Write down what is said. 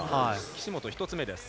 岸本１つ目です。